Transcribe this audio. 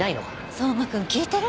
相馬君聞いてる？